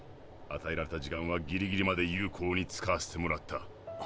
与えられた時間はギリギリまで有効に使わせてもらった。